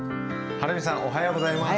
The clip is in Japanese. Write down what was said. はるみさんおはようございます。